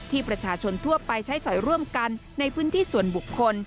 ประชาชนทั่วไปใช้สอยร่วมกันในพื้นที่ส่วนบุคคล